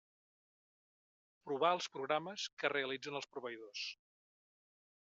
Provar els programes que realitzen els proveïdors.